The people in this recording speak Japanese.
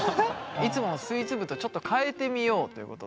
いつものスイーツ部とちょっと変えてみようということで。